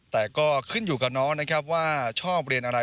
แต่ก็ขึ้นอยู่กับน้องนะครับว่าชอบเรียนอะไร